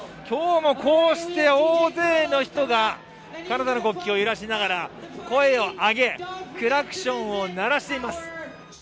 今日もこうして大勢の人がカナダの国旗を揺らしながら声を上げ、クラクションを鳴らしています。